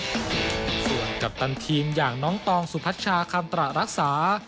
ส่วนกัปตันทีมอย่างน้องตองสุพัชชาคำตระรักษา